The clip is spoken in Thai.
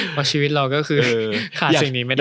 เพราะชีวิตเราก็คือสิ่งนี้ไม่ได้